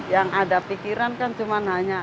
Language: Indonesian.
yang ada pikiran kan cuma hanya